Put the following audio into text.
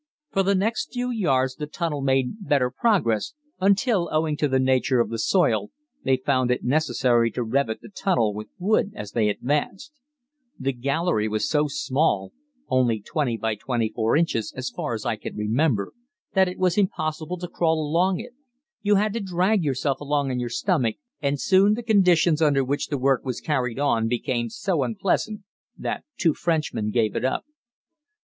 For the next few yards the tunnel made better progress until, owing to the nature of the soil, they found it necessary to revet the tunnel with wood as they advanced. The gallery was so small only 20 by 24 inches as far as I remember that it was impossible to crawl along it. You had to drag yourself along on your stomach, and soon the conditions under which the work was carried on became so unpleasant that two Frenchmen gave it up.